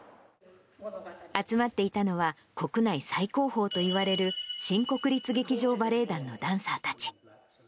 集まっていたのは、国内最高峰といわれる新国立劇場バレエ団のダンサーたち。